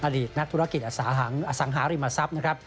อดีตนักธุรกิจอสังหาริมทรัพย์นะครับ